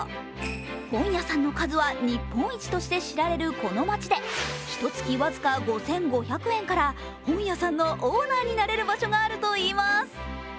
本屋さんの数は日本一として知られるこの街でひとつき僅か５５００円から本屋さんのオーナーになれる場所があるといいます。